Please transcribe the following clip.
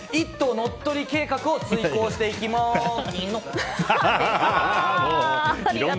乗っ取り計画を遂行していきまーきのっ！